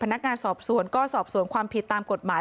พนักงานสอบสวนก็สอบสวนความผิดตามกฎหมาย